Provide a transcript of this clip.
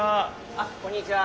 あっこんにちは。